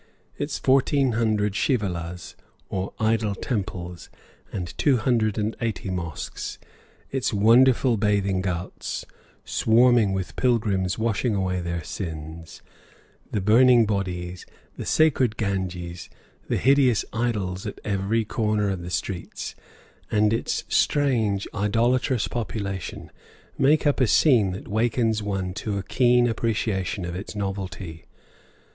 Its fourteen hundred shivalas or idol temples, and two hundred and eighty mosques, its wonderful bathing ghauts swarming with pilgrims washing away their sins, the burning bodies, the sacred Ganges, the hideous idols at every corner of the streets, and its strange idolatrous population, make up a scene that awakens one to a keen appreciation of its novelty.